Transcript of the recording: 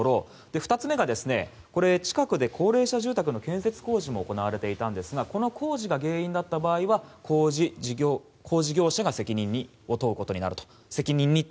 ２つ目が近くで高齢者住宅の建設工事も行われていたんですがその工事が原因だった場合は工事業者が責任に問うことになると。